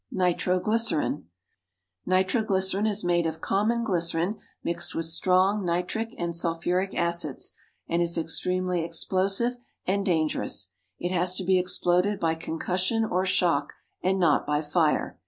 =Nitroglycerine.= Nitroglycerine is made of common glycerine mixed with strong nitric and sulphuric acids, and is extremely explosive and dangerous. It has to be exploded by concussion or shock, and not by fire.